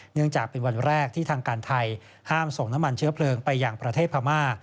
เนื่องจากเป็นวันแรกที่ทางการไทยห้ามส่งน้ำมันเชื้อเพลิงไปอย่างประเทศพม่า